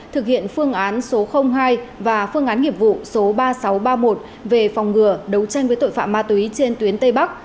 thực hiện phương án số hai và phương án nghiệp vụ số ba nghìn sáu trăm ba mươi một về phòng ngừa đấu tranh với tội phạm ma túy trên tuyến tây bắc